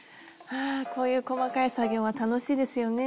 はこういう細かい作業は楽しいですよね。